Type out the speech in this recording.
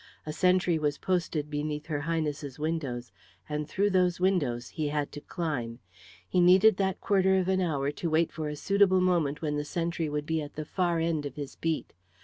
A sentry was posted beneath her Highness's windows, and through those windows he had to climb. He needed that quarter of an hour to wait for a suitable moment when the sentry would be at the far end of his beat.